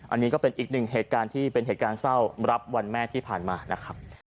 อันนี้ก็เป็นอีกหนึ่งเหตุการณ์ที่เป็นเหตุการณ์เศร้ารับวันแม่ที่ผ่านมานะครับ